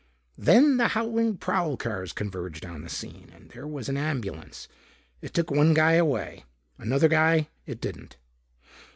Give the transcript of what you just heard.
Then the howling prowl cars converged on the scene. And there was an ambulance. It took one guy away. Another guy, it didn't.